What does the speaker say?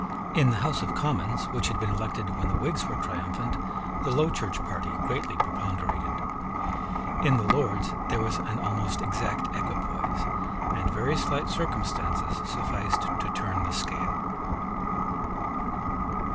In the House of Commons, which had been elected when the Whigs were triumphant, the Low Church party greatly preponderated. In the Lords there was an almost exact equipoise; and very slight circumstances sufficed to turn the scale.